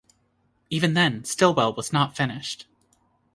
Even then Stilwell was not finished.